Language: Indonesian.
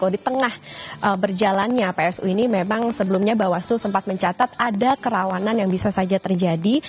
di tengah berjalannya psu ini memang sebelumnya bawaslu sempat mencatat ada kerawanan yang bisa saja terjadi